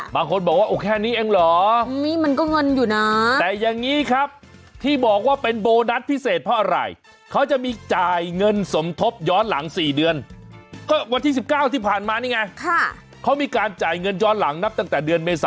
บางคนบอกว่าแค่นี้เองเหรอ